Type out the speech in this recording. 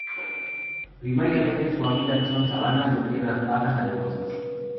Primariamente su hábitat son sabanas de tierras bajas, arenosas.